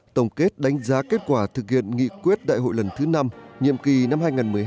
tổng kết đánh giá kết quả thực hiện nghị quyết đại hội lần thứ năm nhiệm kỳ năm hai nghìn một mươi hai hai nghìn một mươi bảy